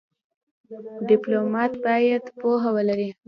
ډيپلومات باید پوهه ولري.